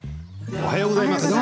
おはようございます。